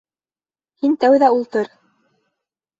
Һин тәүҙә ултыр.